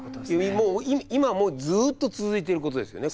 今もうずっと続いてることですよね。